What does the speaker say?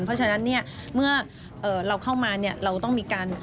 เพราะฉะนั้นเมื่อเราเข้ามาเราต้องมีการ